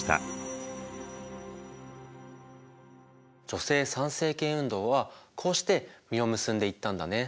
女性参政権運動はこうして実を結んでいったんだね。